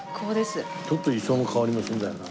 ちょっと磯の香りもするんだよな。